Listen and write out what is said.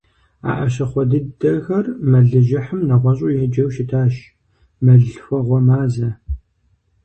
А Ӏэщыхъуэ дыдэхэр мэлыжьыхьым нэгъуэщӀу еджэу щытащ - мэллъхуэгъуэ мазэ.